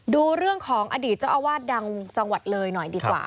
ดูเรื่องของอดีตเจ้าอาวาสดังจังหวัดเลยหน่อยดีกว่า